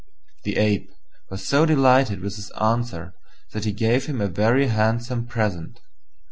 The Ape was so delighted with his answer that he gave him a very handsome present.